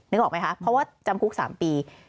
นึกออกไหมคะเพราะว่าจำคุก๓ปี